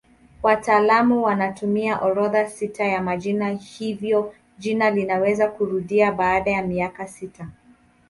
Wataalamu wanatumia orodha sita ya majina hivyo jina linaweza kurudia baada ya miaka sita.